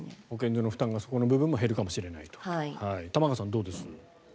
保健所の負担がそこの部分も減るかもしれないと。